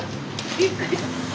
びっくり。